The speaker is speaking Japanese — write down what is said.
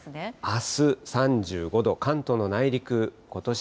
あす３５度、関東の内陸、ことし